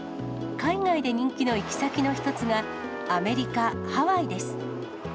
海外で人気の行き先の一つが、アメリカ・ハワイです。